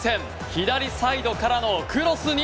左サイドからのクロスに。